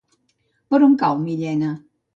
Per on cau Millena?